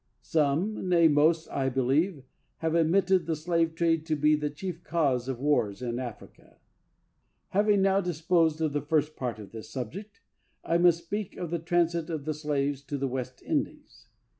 Some, nay most, I believe, have admitted the slave trade to be the chief cause of wars in Africa. Having now disposed of the first part of this subject, I must speak of the transit of the slaves to the West Indies.